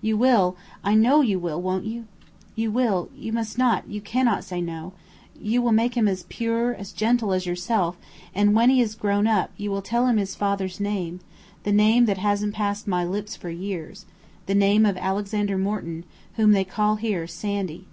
You will; I know you will won't you? You will you must not, you cannot say no! You will make him as pure, as gentle as yourself; and when he has grown up, you will tell him his father's name the name that hasn't passed my lips for years the name of Alexander Morton, whom they call here Sandy!